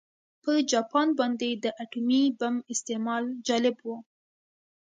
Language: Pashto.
په جاپان باندې د اتومي بم استعمال جالب و